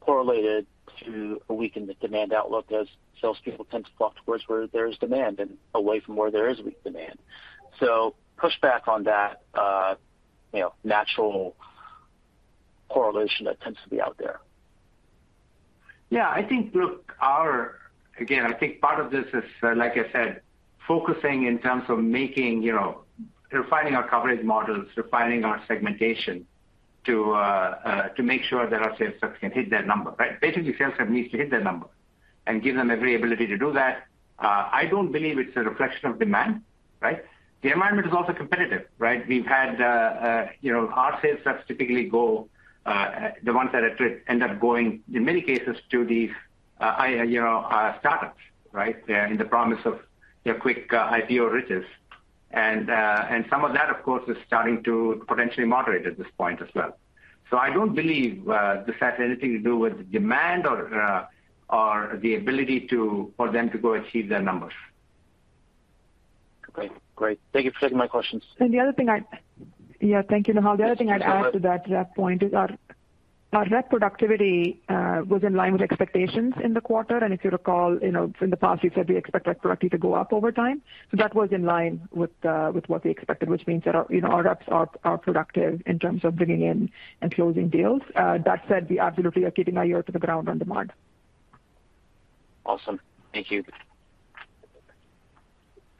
correlated to a weakened demand outlook as salespeople tend to flock toward where there is demand and away from where there is weak demand. Pushback on that, you know, natural correlation that tends to be out there. Yeah, I think. Look. Again, I think part of this is, like I said, focusing in terms of making, you know, refining our coverage models, refining our segmentation to make sure that our sales reps can hit their number, right? Basically, sales rep needs to hit their number and give them every ability to do that. I don't believe it's a reflection of demand, right? The environment is also competitive, right? We've had, you know, our sales reps typically go, the ones that attrit end up going, in many cases, to these higher, you know, startups, right? In the promise of, you know, quick IPO riches. Some of that, of course, is starting to potentially moderate at this point as well. I don't believe this has anything to do with demand or the ability for them to go achieve their numbers. Okay. Great. Thank you for taking my questions. Thank you, Nehal. The other thing I'd add to that point is our rep productivity was in line with expectations in the quarter. If you recall, you know, in the past, we've said we expect rep productivity to go up over time. That was in line with what we expected, which means that our, you know, our reps are productive in terms of bringing in and closing deals. That said, we absolutely are keeping our ear to the ground on demand. Awesome. Thank you.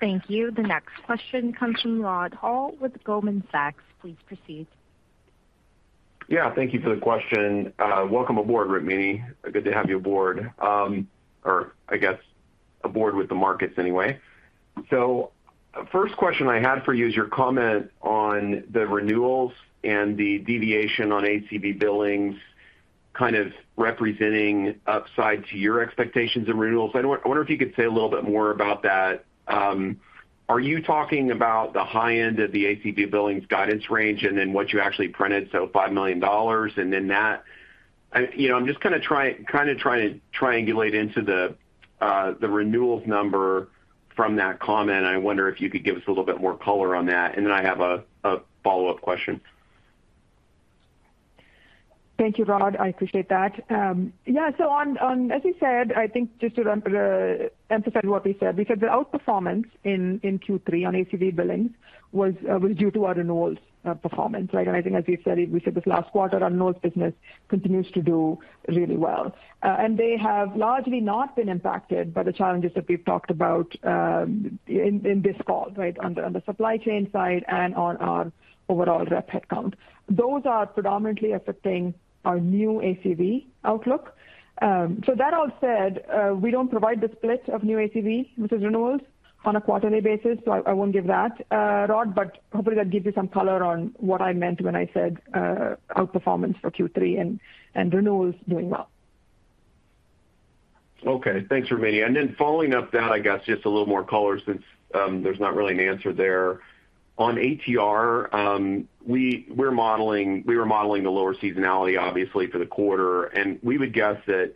Thank you. The next question comes from Rod Hall with Goldman Sachs. Please proceed. Yeah. Thank you for the question. Welcome aboard, Rukmini. Good to have you aboard. Or I guess aboard with the markets anyway. First question I had for you is your comment on the renewals and the deviation on ACV billings kind of representing upside to your expectations and renewals. I wonder if you could say a little bit more about that. Are you talking about the high end of the ACV billings guidance range and then what you actually printed, so $5 million and then that. You know, I'm just kinda trying to triangulate into the renewals number from that comment. I wonder if you could give us a little bit more color on that. Then I have a follow-up question. Thank you, Rod. I appreciate that. Yeah. As you said, I think just to emphasize what we said, because the outperformance in Q3 on ACV billings was due to our renewals performance, right? I think as we've said, we said this last quarter, our renewals business continues to do really well. They have largely not been impacted by the challenges that we've talked about in this call, right? On the supply chain side and on our overall rep headcount. Those are predominantly affecting our new ACV outlook. That all said, we don't provide the split of new ACV versus renewals on a quarterly basis, so I won't give that, Rod, but hopefully that gives you some color on what I meant when I said outperformance for Q3 and renewals doing well. Okay. Thanks, Rukmini. Then following up that, I guess, just a little more color since there's not really an answer there. On ATR, we were modeling the lower seasonality obviously for the quarter, and we would guess that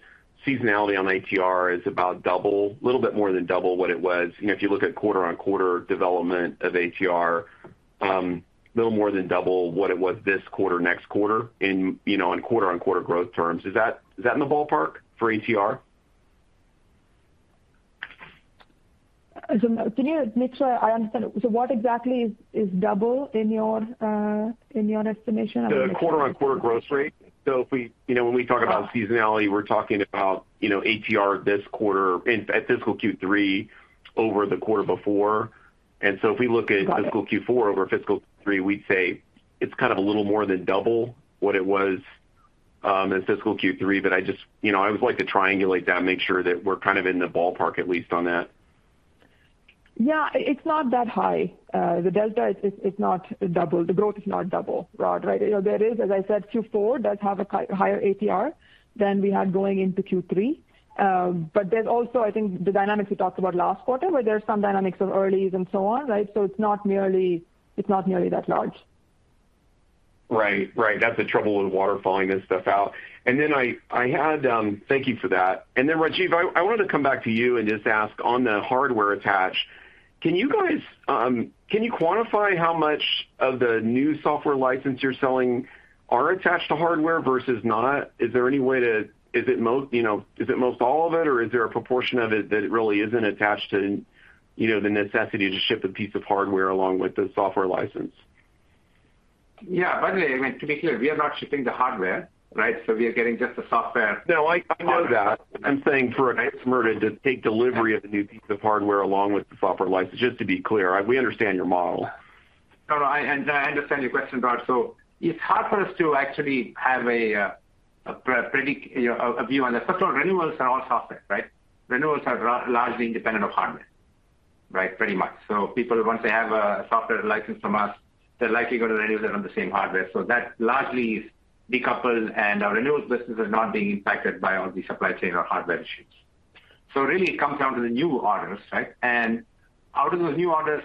seasonality on ATR is about double, a little bit more than double what it was. You know, if you look at quarter-on-quarter development of ATR, little more than double what it was this quarter, next quarter in, you know, on quarter-on-quarter growth terms. Is that in the ballpark for ATR? Can you make sure I understand? What exactly is double in your estimation? The quarter-over-quarter growth rate. You know, when we talk about- Ah. seasonality, we're talking about, you know, ATR this quarter in, at fiscal Q3 over the quarter before. If we look at Got it. Fiscal Q4 over fiscal Q3, we'd say it's kind of a little more than double what it was in fiscal Q3. You know, I always like to triangulate that and make sure that we're kind of in the ballpark at least on that. Yeah, it's not that high. The delta is not double. The growth is not double, Rod, right? You know, there is. As I said, Q4 does have a higher ATR than we had going into Q3. But there's also, I think, the dynamics we talked about last quarter where there's some dynamics of earlies and so on, right? It's not nearly that large. Right. That's the trouble with waterfalling this stuff out. Thank you for that. Rajiv, I wanted to come back to you and just ask on the hardware attach. Can you guys quantify how much of the new software license you're selling are attached to hardware versus not? You know, is it most all of it or is there a proportion of it that it really isn't attached to, you know, the necessity to ship a piece of hardware along with the software license? Yeah. By the way, I mean, to be clear, we are not shipping the hardware, right? We are getting just the software. No, I know that. Okay. I'm saying for a customer to take delivery of the new piece of hardware along with the software license, just to be clear. We understand your model. No, no. I understand your question, Rod. It's hard for us to actually have a predictive view on that. First of all, renewals are all software, right? Renewals are largely independent of hardware, right? Pretty much. People, once they have a software license from us, they're likely gonna renew that on the same hardware. That largely is decoupled, and our renewals business is not being impacted by all the supply chain or hardware issues. Really it comes down to the new orders, right? Out of those new orders,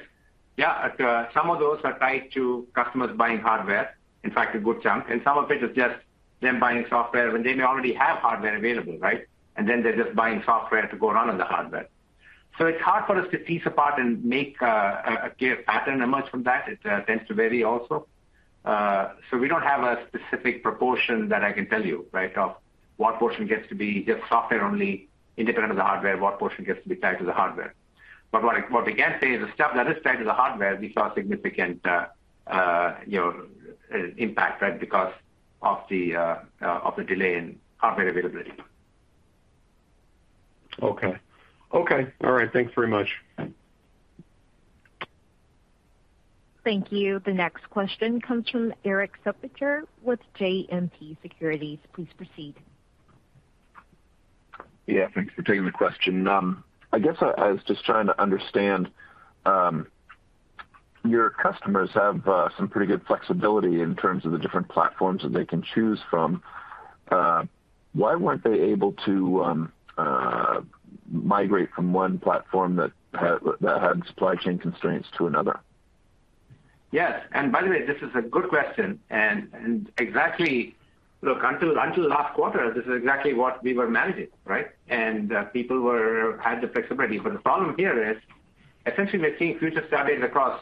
yeah, some of those are tied to customers buying hardware, in fact, a good chunk. Some of it is just them buying software when they may already have hardware available, right? Then they're just buying software to go run on the hardware. It's hard for us to piece apart and make a clear pattern emerge from that. It tends to vary also. We don't have a specific proportion that I can tell you, right? Of what portion gets to be just software only independent of the hardware, what portion gets to be tied to the hardware. What we can say is the stuff that is tied to the hardware, we saw a significant, you know, impact, right? Because of the delay in hardware availability. Okay. All right. Thanks very much. Okay. Thank you. The next question comes from Erik Suppiger with JMP Securities. Please proceed. Yeah, thanks for taking the question. I guess I was just trying to understand, your customers have some pretty good flexibility in terms of the different platforms that they can choose from. Why weren't they able to migrate from one platform that had supply chain constraints to another? Yes. By the way, this is a good question. Exactly. Look, until last quarter, this is exactly what we were managing, right? People had the flexibility. The problem here is essentially we're seeing shortages across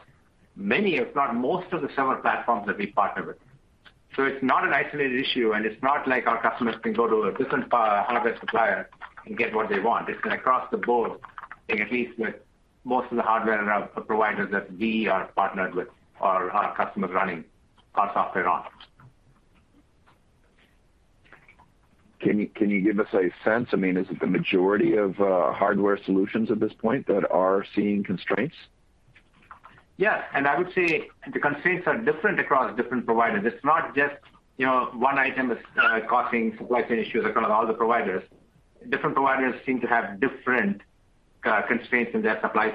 many, if not most, of the server platforms that we partner with. It's not an isolated issue, and it's not like our customers can go to a different hardware supplier and get what they want. It's across the board, like at least with most of the hardware providers that we are partnered with or our customers running our software on. Can you give us a sense? I mean, is it the majority of hardware solutions at this point that are seeing constraints? Yes. I would say the constraints are different across different providers. It's not just, you know, one item is causing supply chain issues across all the providers. Different providers seem to have different constraints in their supply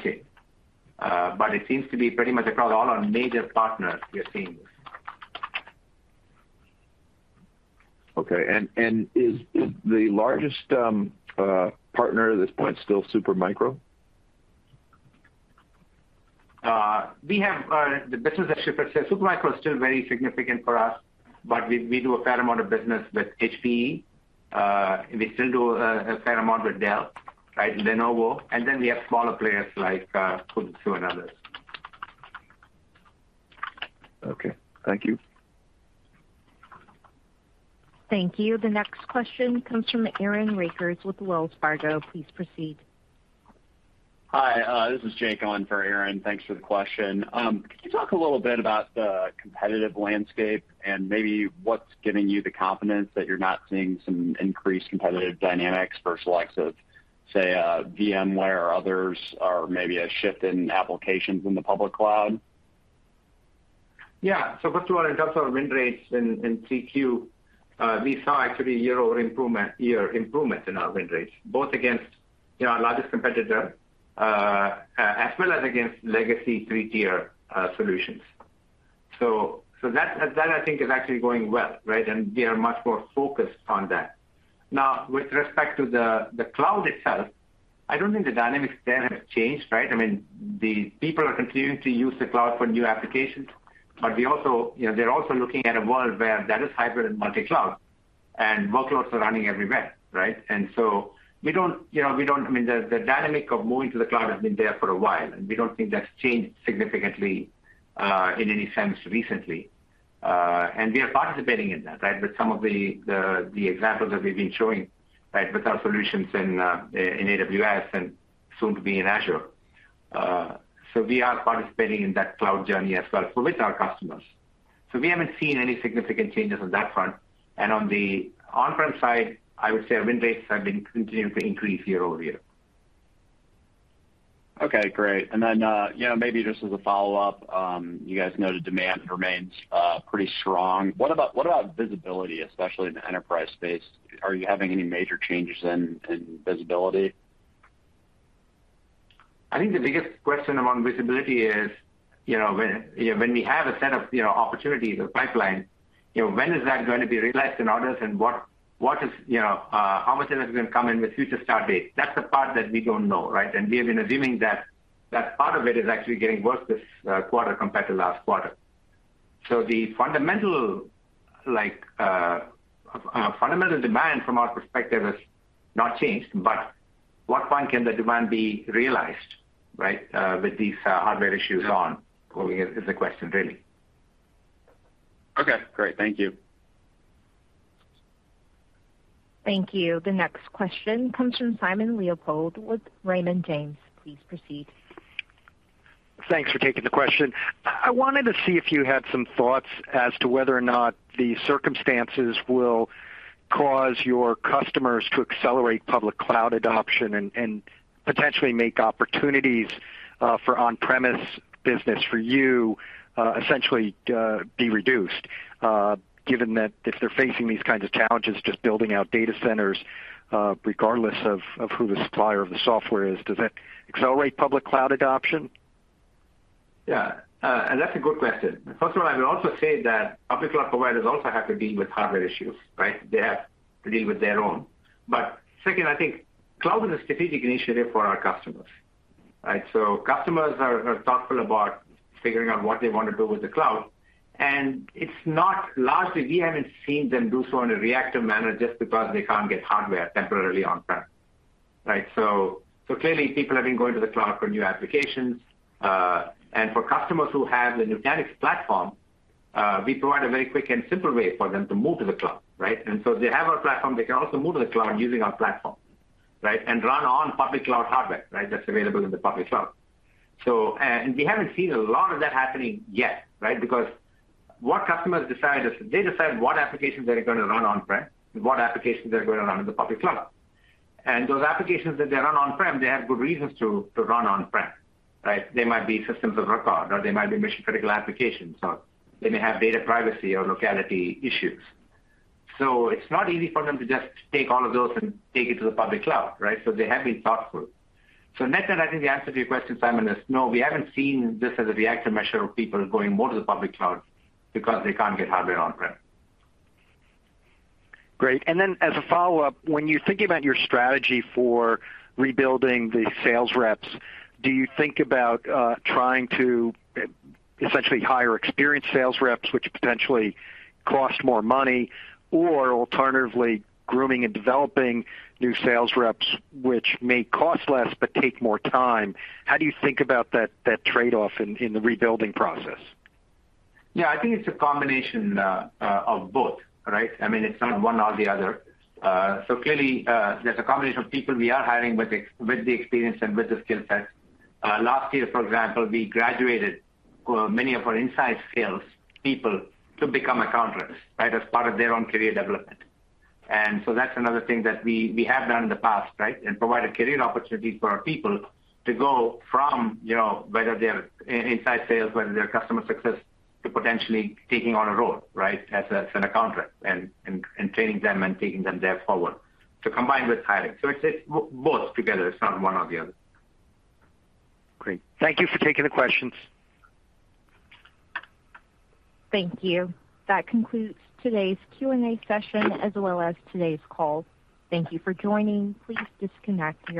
chain. It seems to be pretty much across all our major partners we are seeing this. Okay. Is the largest partner at this point still Supermicro? We have the business. Supermicro is still very significant for us, but we do a fair amount of business with HPE. We still do a fair amount with Dell, right? Lenovo. We have smaller players like Fujitsu and others. Okay. Thank you. Thank you. The next question comes from Aaron Rakers with Wells Fargo. Please proceed. Hi, this is Jake on for Aaron. Thanks for the question. Can you talk a little bit about the competitive landscape and maybe what's giving you the confidence that you're not seeing some increased competitive dynamics versus likes of, say, VMware or others, or maybe a shift in applications in the public cloud? Yeah. First of all, in terms of our win rates in 3Q, we saw actually year-over-year improvements in our win rates, both against, you know, our largest competitor, as well as against legacy three-tier solutions. That I think is actually going well, right? We are much more focused on that. Now, with respect to the cloud itself, I don't think the dynamics there have changed, right? I mean, the people are continuing to use the cloud for new applications, but we also, you know, they're also looking at a world where that is hybrid and multi-cloud, and workloads are running everywhere, right? We don't, you know, we don't. I mean, the dynamic of moving to the cloud has been there for a while, and we don't think that's changed significantly, in any sense recently. We are participating in that, right? With some of the examples that we've been showing, right, with our solutions in AWS and soon to be in Azure. We are participating in that cloud journey as well, so with our customers. We haven't seen any significant changes on that front. On the on-prem side, I would say our win rates have been continuing to increase year-over-year. Okay, great. You know, maybe just as a follow-up, you guys know the demand remains pretty strong. What about visibility, especially in the enterprise space? Are you having any major changes in visibility? I think the biggest question around visibility is, you know, when, you know, when we have a set of, you know, opportunities or pipeline, you know, when is that going to be realized in orders and what is, you know, how much of it is going to come in with future start dates? That's the part that we don't know, right? We have been assuming that part of it is actually getting worse this quarter compared to last quarter. The fundamental demand from our perspective has not changed, but at what point can the demand be realized, right, with these hardware issues ongoing? Well, is the question really. Okay, great. Thank you. Thank you. The next question comes from Simon Leopold with Raymond James. Please proceed. Thanks for taking the question. I wanted to see if you had some thoughts as to whether or not the circumstances will cause your customers to accelerate public cloud adoption and potentially make opportunities for on-premise business for you essentially be reduced, given that if they're facing these kinds of challenges, just building out data centers, regardless of who the supplier of the software is, does that accelerate public cloud adoption? Yeah. That's a good question. First of all, I will also say that public cloud providers also have to deal with hardware issues, right? They have to deal with their own. Second, I think cloud is a strategic initiative for our customers, right? Customers are thoughtful about figuring out what they want to do with the cloud. Lastly, we haven't seen them do so in a reactive manner just because they can't get hardware temporarily on-prem, right? Clearly people have been going to the cloud for new applications. For customers who have the Nutanix platform, we provide a very quick and simple way for them to move to the cloud, right? If they have our platform, they can also move to the cloud using our platform, right? Run on public cloud hardware, right? That's available in the public cloud. We haven't seen a lot of that happening yet, right? Because what customers decide is they decide what applications they're gonna run on-prem and what applications they're gonna run in the public cloud. Those applications that they run on-prem, they have good reasons to run on-prem, right? They might be systems of record, or they might be mission-critical applications, or they may have data privacy or locality issues. It's not easy for them to just take all of those and take it to the public cloud, right? They have been thoughtful. Net, I think the answer to your question, Simon, is no, we haven't seen this as a reactive measure of people going more to the public cloud because they can't get hardware on-prem. Great. As a follow-up, when you think about your strategy for rebuilding the sales reps, do you think about trying to essentially hire experienced sales reps which potentially cost more money, or alternatively grooming and developing new sales reps which may cost less but take more time? How do you think about that trade-off in the rebuilding process? Yeah. I think it's a combination of both, right? I mean, it's not one or the other. Clearly, there's a combination of people we are hiring with the experience and with the skill set. Last year, for example, we graduated many of our inside sales people to become account reps, right? As part of their own career development. That's another thing that we have done in the past, right? Provide a career opportunity for our people to go from, you know, whether they're inside sales, whether they're customer success, to potentially taking on a role, right? As an account rep and training them and taking them forward to combine with hiring. It's both together. It's not one or the other. Great. Thank you for taking the questions. Thank you. That concludes today's Q&A session as well as today's call. Thank you for joining. Please disconnect your-